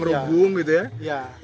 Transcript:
merhubung gitu ya